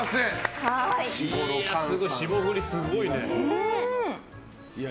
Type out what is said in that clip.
霜降り、すごいね。